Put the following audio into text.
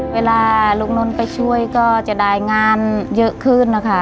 เวลาลูกนนท์ไปช่วยก็จะได้งานเยอะขึ้นนะคะ